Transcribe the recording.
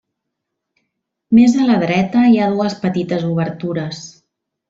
Més a la dreta, hi ha dues petites obertures.